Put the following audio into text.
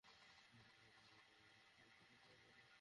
আলামত হিসেবে থাকা যানকে চা-পানের স্থান হিসেবেও ব্যবহার করতে দেখা গেল।